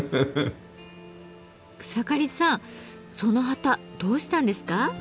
草刈さんその旗どうしたんですか？